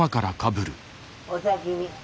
お先に。